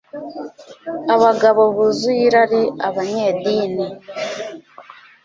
abagabo buzuye irari, abanyedini